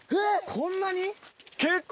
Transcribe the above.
こんなに？